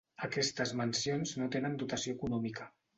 Aquestes mencions no tenen dotació econòmica.